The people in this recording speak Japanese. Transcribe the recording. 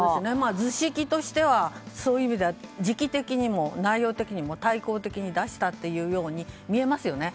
図式としてはそういう意味では時期的にも内容的にも対抗的に出したというように見えますよね。